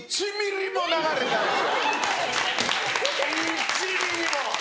１ミリも！